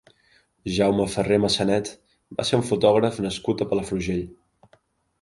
Jaume Ferrer Massanet va ser un fotògraf nascut a Palafrugell.